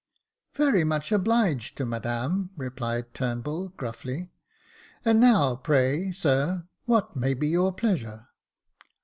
"Very much obliged to Madame," replied Turnbull, gruffly ;" and now, pray sir, what may be your pleasure